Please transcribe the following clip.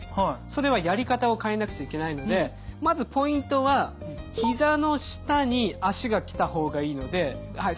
それはやり方を変えなくちゃいけないのでまずポイントはひざの下に足がきた方がいいのではい